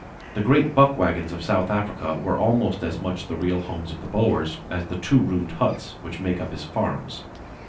The great buck wagons of South Africa were almost as much the real homes of the Boers as the two roomed huts which make up his "farms."